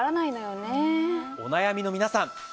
お悩みの皆さん